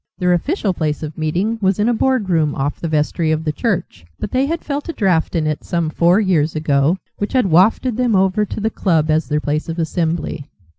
Their official place of meeting was in a board room off the vestry of the church. But they had felt a draught in it, some four years ago, which had wafted them over to the club as their place of assembly.